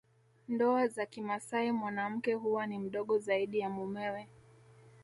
Ndoa za kimasai mwanamke huwa ni mdogo zaidi ya mumewe